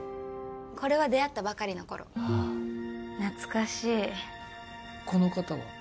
これは出会ったばかりの頃ああ懐かしいこの方は？